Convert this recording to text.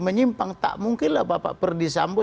menyimpang tak mungkin lah bapak perdisampo